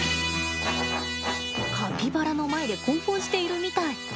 カピバラの前で興奮しているみたい。